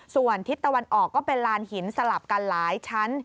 ส่วนทิศตะวันออกก็เป็นลานหินสลับกันหลายชั้น